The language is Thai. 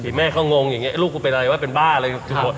ทีแม่เขางงอย่างนี้ลูกกูเป็นอะไรว่าเป็นบ้าอะไร